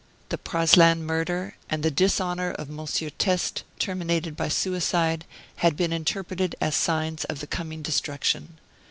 The Praslin murder, and the dishonor of M. Teste, terminated by suicide, had been interpreted as signs of the coming destruction.